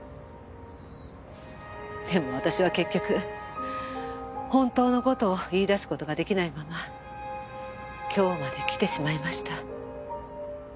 でも私は結局本当の事を言い出す事ができないまま今日まできてしまいました。